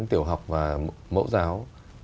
tiểu học và mẫu giáo